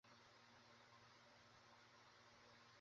আমার হয়ে এটা ফিরিয়ে দিয়ো, কেমন?